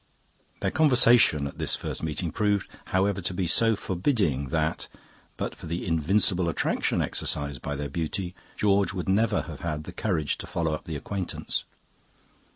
"Their conversation at this first meeting proved, however, to be so forbidding that, but for the invincible attraction exercised by their beauty, George would never have had the courage to follow up the acquaintance.